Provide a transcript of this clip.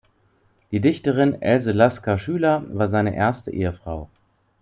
Die Dichterin Else Lasker-Schüler war seine erste Ehefrau.